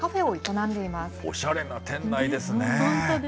おしゃれな店内ですね。